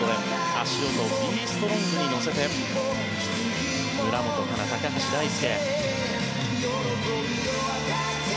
「足音ＢｅＳｔｒｏｎｇ」に乗せて村元哉中、高橋大輔。